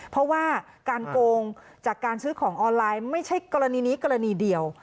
เพราะว่าการโกงจากการซื้อของออนไลน์ไม่ใช่กรณีนี้กรณีเดียว